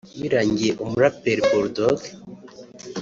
Birangiye umuraperi Bull Dogg